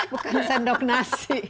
bukan sendok nasi